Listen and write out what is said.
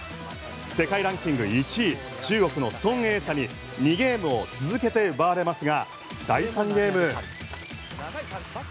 世界ランキング１位中国のソン・エイサに２ゲームを続けて奪われますが第３ゲーム。